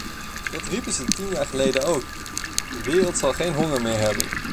Dat riepen ze tien jaar geleden ook: de wereld zal geen honger meer hebben.